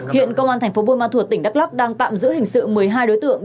hiện công an tp buôn ma thuột tỉnh đắk lắk đang tạm giữ hình sự một mươi hai đối tượng